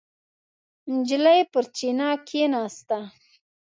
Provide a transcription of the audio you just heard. نجلۍ پر چینه کېناسته.